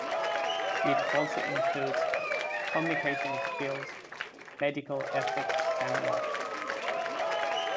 It also includes communication skills, medical ethics and law.